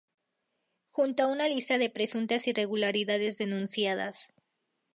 Junto a una lista de presuntas irregularidades denunciadas.